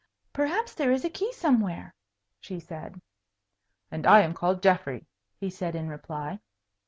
Perhaps there is a key somewhere," she said. "And I am called Geoffrey," he said, in reply.